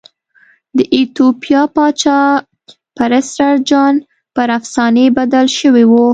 د ایتوپیا پاچا پرسټر جان پر افسانې بدل شوی و.